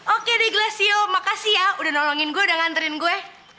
oke deh glacio makasih ya udah nolongin gue udah nganterin gue